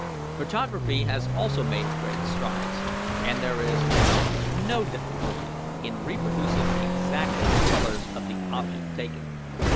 "Photography has also made great strides, and there is now no difficulty in reproducing exactly the colours of the object taken.